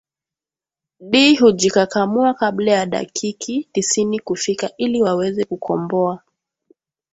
di hujikakamua kabla ya dakiki tisini kufika ili waweze kukomboa